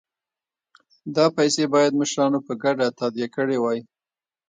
دا پیسې باید مشرانو په ګډه تادیه کړي وای.